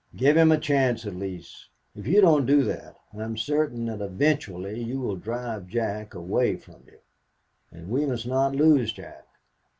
Give him a chance at least. If you don't do that, I am certain that eventually you will drive Jack himself away from you, and we must not lose Jack.